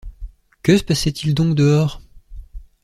Que se passait-il donc, dehors?